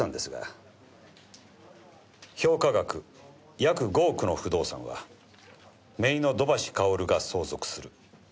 「評価額約５億の不動産は姪の土橋かおるが相続する」